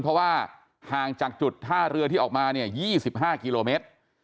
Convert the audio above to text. เพราะว่าห่างจากจุดท่าเรือที่ออกมาเนี่ย๒๕กิโลเมตร